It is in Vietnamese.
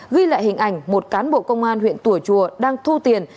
ghi lại hình ảnh một cán bộ công an huyện tùa chùa đang thu tiền